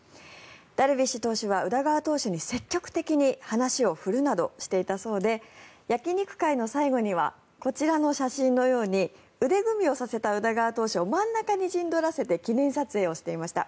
ダルビッシュ投手は宇田川投手に積極的に話を振るなどしていたそうで焼き肉会の最後にはこちらの写真のように腕組みをさせた宇田川投手を真ん中に陣取らせて記念撮影をしていました。